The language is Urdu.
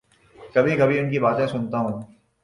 کبھی کبھی ان کی باتیں سنتا ہوں۔